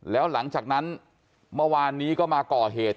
แล้วหลังจากนั้นเมื่อวานนี้ก็มาก่อเหตุ